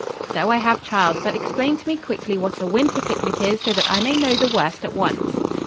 "So I have, child, but explain to me quickly what a winter picnic is so that I may know the worst at once."